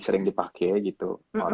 sering dipake gitu